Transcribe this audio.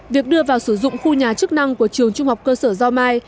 việc đưa vào sử dụng khu nhà chức năng của trường trung học cơ sở do mai